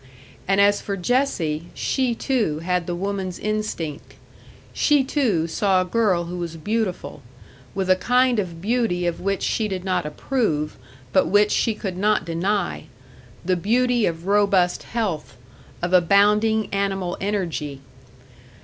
And as for Jessie, she too had the woman's instinct; she too saw a girl who was beautiful, with a kind of beauty of which she did not approve, but which she could not deny the beauty of robust health, of abounding animal energy.